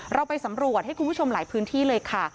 เราไปสำรวจให้คุณผู้ชมหลายพื้นที่เลยค่ะ